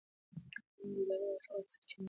قانون د ادارې د واک سرچینه ده.